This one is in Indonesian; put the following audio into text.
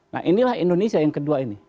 nah inilah indonesia yang kedua ini